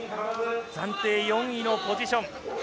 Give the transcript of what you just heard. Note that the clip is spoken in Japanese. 暫定４位のポジション。